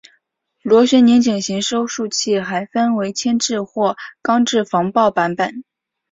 螺旋拧紧型收束器还分为铅制或钢制防爆版本。